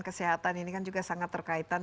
kesehatan ini kan juga sangat terkaitan